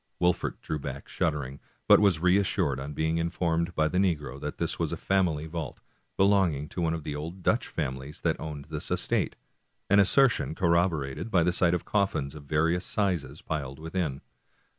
Wolfert drew back shuddering, but was reassured on being informed by the negro that this was a family vault, belonging to one of the old Dutch families that owned this estate, an assertion corroborated by the sight of coffins of various sizes piled within.